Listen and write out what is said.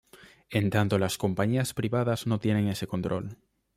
En tanto las compañías privadas no tienen ese control.